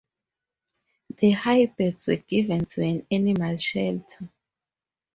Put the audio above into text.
The hybrids were given to an animal shelter.